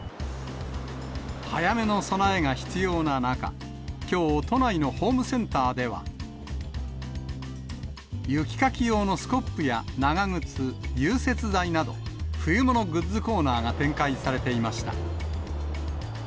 早めの備えが必要な中、きょう、都内のホームセンターでは、雪かき用のスコップや長靴、融雪剤など、冬物グッズコーナーが展開されていました。